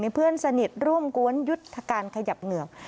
เพื่อนสนิทร่วมกวนยุทธการขยับเหงือก